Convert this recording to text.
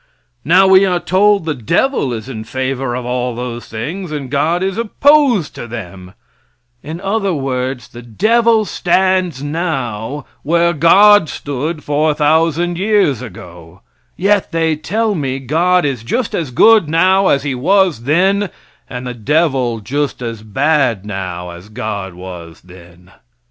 Now we are told the devil is in favor of all those things, and God is opposed to them; in other words, the devil stands now where God stood 4,000 years ago; yet they tell me God is just as good now as he was then, and the devil just as bad now as God was then.